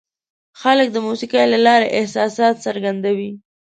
خلک د موسیقۍ له لارې احساسات څرګندوي.